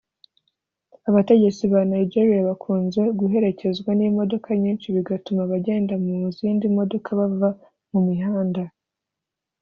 Abategetsi ba Nigeria bakunze guherekezwa n’imodoka nyinshi bigatuma abagenda mu zindi modoka bava mu mihanda